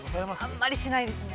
◆あんまりしないですね。